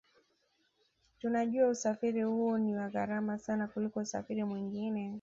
Tunajua usafiri huu ni wa gharama sana kuliko usafiri mwingine